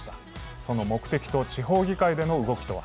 その目的と地方議会での動きとは。